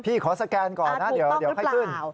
ขอสแกนก่อนนะเดี๋ยวให้ขึ้น